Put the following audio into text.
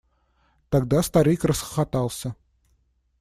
Тогда старик расхохотался.